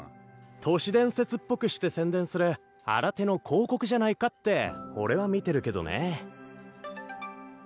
都市伝説っぽくして宣伝する新手の広告じゃないかって俺は見てるけどね。